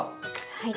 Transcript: はい。